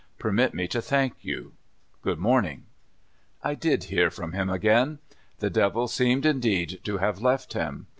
Perm.it me to thank you. Good morning." I did hear from him again. The devil seemed indeed to have left him.